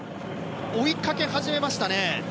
追いかけ始めましたね。